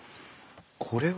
これは？